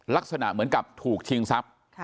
ลักษณะเหมือนกับถูกชิงทรัพย์